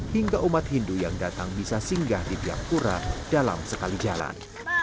hingga umat hindu yang datang bisa singgah di pihak pura dalam sekali jalan